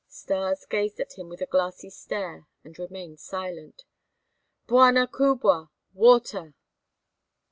Stas gazed at him with a glassy stare and remained silent. "Bwana kubwa, water!"